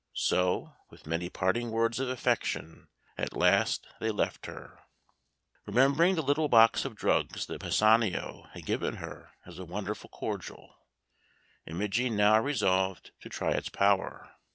So, with many parting words of affection at last they left her. Remembering the little box of drugs that Pisanio had given her as a wonderful cordial, Imogen now resolved to try its power.